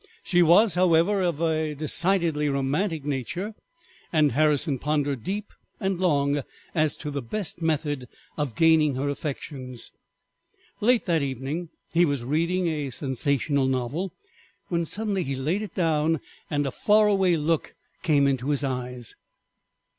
She was, however, of a decidedly romantic nature, and Harrison pondered deep and long as to the best method of gaining her affections. Late that evening he was reading a sensational novel, when suddenly he laid it down and a far away look came into his eyes.